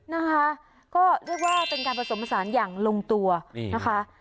นะคะก็เรียกว่าเป็นการผสมผสานอย่างลงตัวนี่นะคะ